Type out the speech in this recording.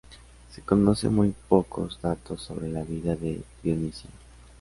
Se conocen muy pocos datos sobre la vida de Dionisio.